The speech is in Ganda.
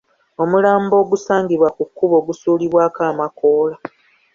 Omulambo ogusangibwa ku kkubo gusuulibwako amakoola.